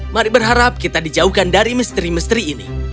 mari berharap kita dijauhkan dari misteri misteri ini